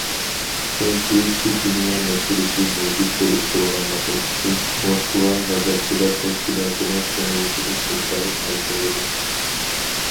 چۈنكى چېچىنىيە مەسىلىسى مەۋجۇت بولۇپ تۇرغانلىقى ئۈچۈن، موسكۋا غازاتچىلار تەشكىلاتىنىڭ كېڭىيىشىدىن ئىنتايىن ئەنسىرەيدۇ.